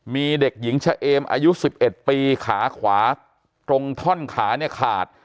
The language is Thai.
มีเด็กหญิงชะเอมอายุ๑๑ปีขาขวาตรงท่อนขาเนี่ยขาด